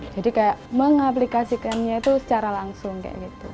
jadi kayak mengaplikasikannya secara langsung